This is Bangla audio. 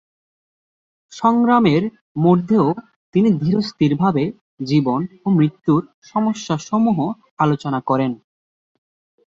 সংগ্রামের মধ্যেও তিনি ধীর স্থিরভাবে জীবন ও মৃত্যুর সমস্যাসমূহ আলোচনা করেন।